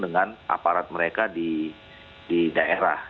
dengan aparat mereka di daerah